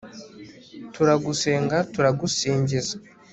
turagusenga turagusingiza